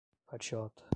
Fatiota